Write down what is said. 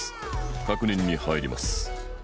確認に入ります